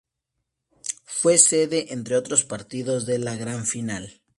Fue sede entre otros partidos de la gran Final.